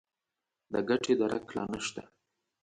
د ګټې درک لا نه شته.